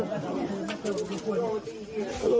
ชาวบ้านในพื้นที่บอกว่าปกติผู้ตายเขาก็อยู่กับสามีแล้วก็ลูกสองคนนะฮะ